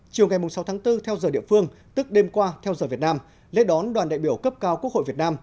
chiều ngày sáu tháng bốn theo giờ địa phương tức đêm qua theo giờ việt nam lễ đón đoàn đại biểu cấp cao quốc hội việt nam